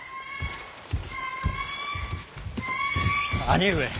兄上。